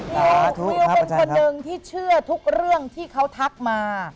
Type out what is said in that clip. คือเป็นคนหนึ่งที่เชื่อทุกเรื่องที่เขาทักมา